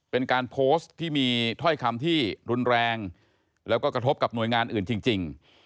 เป็นการโพสต์ที่มีถ้อยคำที่รุนแรงแล้วก็กระทบกับหน่วยงานอื่นจริง